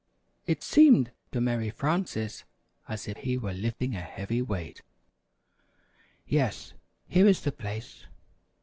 (It seemed to Mary Frances as if he were lifting a heavy weight.) "Yes, here is the place.